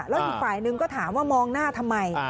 แล้วอีกฝ่ายหนึ่งก็ถามว่ามองหน้าทำไม